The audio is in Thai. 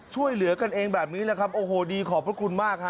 ช่วยเหลือกันเองแบบนี้แหละครับโอ้โหดีขอบพระคุณมากฮะ